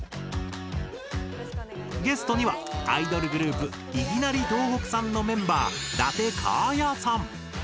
ゲストにはアイドルグループ「いぎなり東北産」のメンバー伊達花彩さん。